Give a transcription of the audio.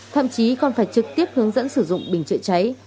thậm chí còn phải trực tiếp hướng dẫn sử dụng bình chữa cháy